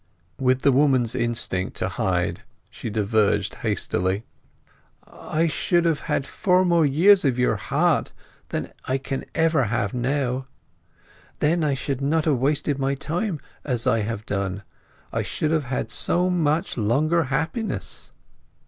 With the woman's instinct to hide she diverged hastily— "I should have had four years more of your heart than I can ever have now. Then I should not have wasted my time as I have done—I should have had so much longer happiness!"